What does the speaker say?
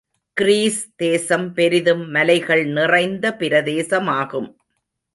Greece தேசம் பெரிதும் மலைகள் நிறைந்த பிரதேசமாகும்.